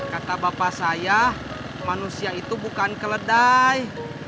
kata bapak saya manusia itu bukan keledai